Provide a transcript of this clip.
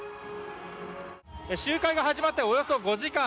集会が始まっておよそ５時間。